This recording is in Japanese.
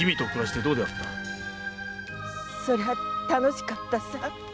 そりゃ楽しかったさ。